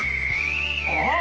あっ！